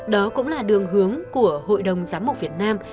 đó cũng là đường hướng của hội đồng giám mục việt nam